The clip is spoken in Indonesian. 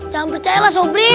jangan percayalah sobri